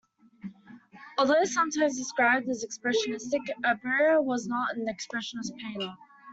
Although sometimes described as expressionistic, Auerbach is not an expressionist painter.